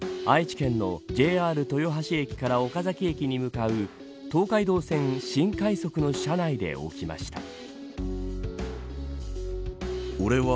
愛知県のＪＲ豊橋駅から岡崎駅に向かう東海道線新快速の車内で起きました。